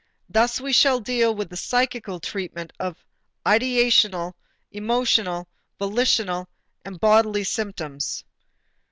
Thus we shall deal with the psychical treatment of ideational, emotional, volitional, and bodily symptoms.